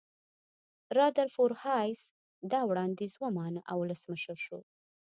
رادرفورد هایس دا وړاندیز ومانه او ولسمشر شو.